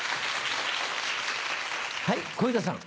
はい小遊三さん。